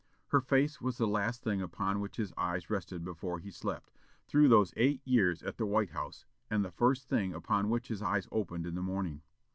Her face was the last thing upon which his eyes rested before he slept, through those eight years at the White House, and the first thing upon which his eyes opened in the morning.